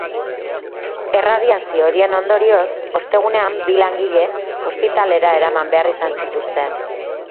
Erradiazio horien ondorioz, ostegunean bi langile ospitalera eraman behar izan zituzten.